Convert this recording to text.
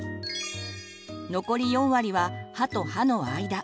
残り４割は歯と歯の間。